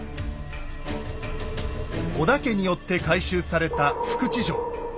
織田家によって改修された福地城。